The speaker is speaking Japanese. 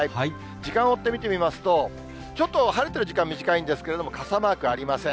時間を追って見てみますと、ちょっと晴れてる時間、短いんですけれども、傘マークありません。